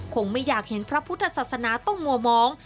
คงไม่อยากเห็นพระพุทธศาสนาต้องมัวมอง